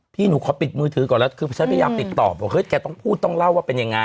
พี่หนูขอปิดมือถือก่อนแล้วคือฉันพยายามติดต่อบอกเฮ้ยแกต้องพูดต้องเล่าว่าเป็นยังไง